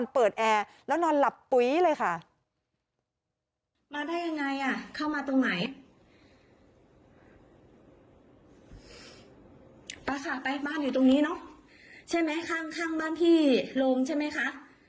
ไปค่ะไปบ้านอยู่ตรงนี้เนอะใช่ไหมข้างบ้านพี่โรงใช่ไหมคะ